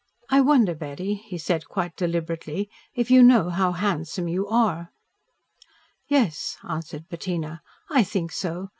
"I wonder, Betty," he said quite deliberately, "if you know how handsome you are?" "Yes," answered Bettina. "I think so.